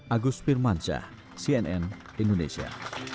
agus pirmansyah cnn indonesia